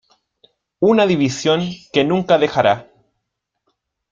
Una división que nunca dejara.